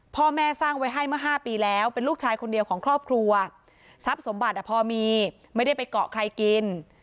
พ่อแม่สร้างไว้ให้เมื่อ๕ปีแล้วเป็นลูกชายคนเดียวของครอบครัวทรัพย์สมบัติพอมีไม่ได้ไปเกาะใครกิน